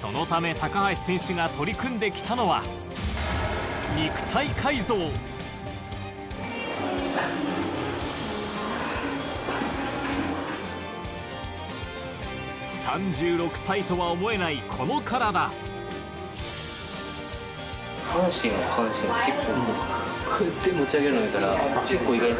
そのため高橋選手が取り組んで来たのは３６歳とは思えないこの体結構意外に。